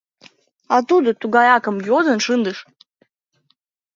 А тудо тугай акым йодын шындыш!